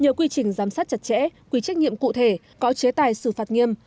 nhờ quy trình giám sát chặt chẽ quy trách nhiệm cụ thể có chế tài xử phạt nghiêm